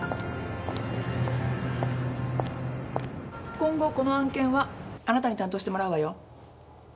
今後この案件はあなたに担当してもらうわよ。